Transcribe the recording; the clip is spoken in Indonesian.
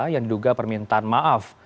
yang diduga permintaan maaf